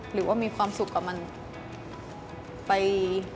หรือว่ามีความสุขกับมันไป